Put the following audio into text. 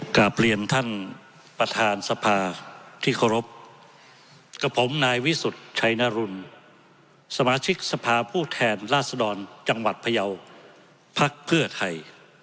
กลับเรียนท่านประธานสภาที่เคารพกับผมนายวิสุทธิ์ชัยนรุนสมาชิกสภาผู้แทนราชดรจังหวัดพยาวพักเพื่อไทย